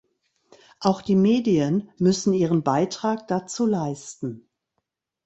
Auch die Medien müssen ihren Beitrag dazu leisten.